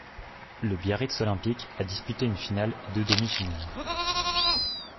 Le Biarritz olympique a disputé une finale et deux demi-finales.